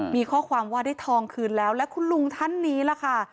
มีข้อความว่าได้ทองคืนแล้วและคุณลุงท่านนี้ล่ะค่ะ